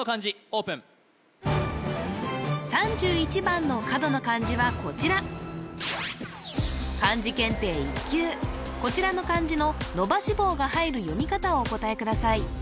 オープン３１番の角の漢字はこちらこちらの漢字の伸ばし棒が入る読み方をお答えください